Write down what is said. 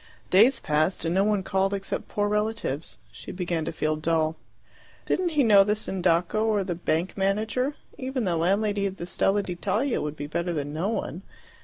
Days passed, and no one called except poor relatives. She began to feel dull. Didn't he know the Sindaco or the bank manager? Even the landlady of the Stella d'Italia would be better than no one.